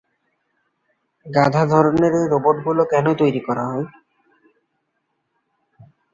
গাধা ধরনের এই রোবটগুলি কেন তৈরি করা হয়?